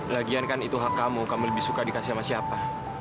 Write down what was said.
lagian kan itu hak kamu kamu lebih suka dikasih sama siapa